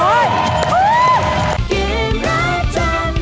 สองไหม